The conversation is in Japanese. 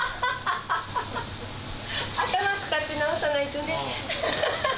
頭使って直さないとね。